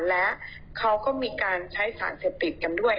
และเขาก็มีการใช้สารเสพติดกันด้วย